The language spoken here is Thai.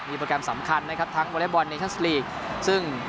มีโปรแกรมสำคัญนะครับทั้งวอเล็กบอลซึ่ง